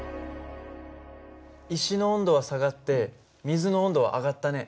石の温度は下がって水の温度は上がったね。